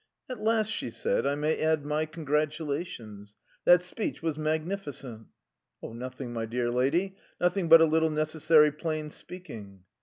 "At last," she said, "I may add my congratulations. That speech was magnificent." "Nothing, my dear lady, nothing but a little necessary plain speaking."